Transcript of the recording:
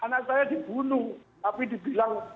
anak saya dibunuh tapi dibilang